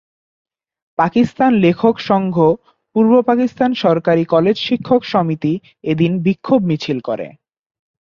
পাকিস্তান লেখক সংঘ, পূর্ব পাকিস্তান সরকারি কলেজ শিক্ষক সমিতি এদিন বিক্ষোভ মিছিল করে।